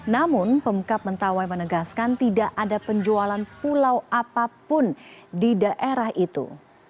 namun pemkap mentawai menegaskan tidak ada penjualan pulau apapun di daerah itu